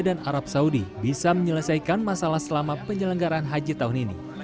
indonesia dan arab saudi bisa menyelesaikan masalah selama penyelenggaran haji tahun ini